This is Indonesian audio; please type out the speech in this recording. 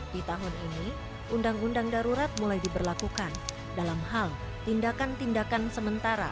di tahun ini undang undang darurat mulai diberlakukan dalam hal tindakan tindakan sementara